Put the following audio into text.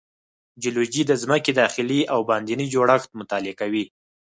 جیولوجی د ځمکې داخلي او باندینی جوړښت مطالعه کوي.